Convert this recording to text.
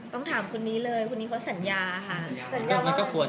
ต้องถามคนนี้เลยคนนี้เขาสัญญาค่ะ